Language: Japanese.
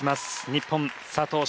日本佐藤駿。